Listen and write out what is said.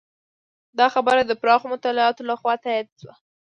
دا خبره د پراخو مطالعاتو لخوا تایید شوې.